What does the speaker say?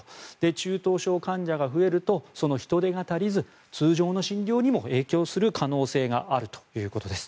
中等症患者が増えるとその人手が足りず通常の診療にも影響する可能性があるということです。